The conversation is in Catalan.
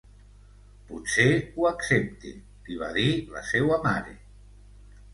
Potser ho accepte, li va dir la seua mare.